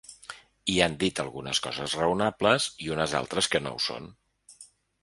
I han dit algunes coses raonables i unes altres que no ho són.